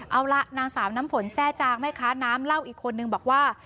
เอาล่ะนางสาวน้ำฝนแทร่จางแม่ค้าน้ำเล่าอีกคนนึงบอกว่า